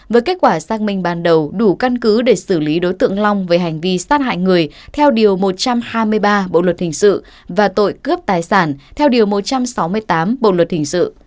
với kết quả xác minh ban đầu đủ căn cứ để xử lý đối tượng long về hành vi sát hại người theo điều một trăm hai mươi ba bộ luật hình sự và tội cướp tài sản theo điều một trăm sáu mươi tám bộ luật hình sự